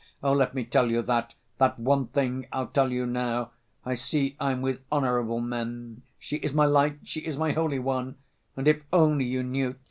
Oh, let me tell you that. That one thing I'll tell you now.... I see I'm with honorable men. She is my light, she is my holy one, and if only you knew!